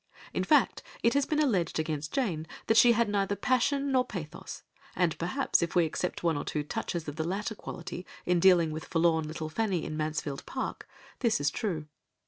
In fact it has been alleged against Jane that she had neither passion nor pathos, and perhaps, if we except one or two touches of the latter quality in dealing with forlorn little Fanny in Mansfield Park, this is true.